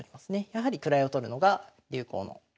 やはり位を取るのが流行の形ですよね。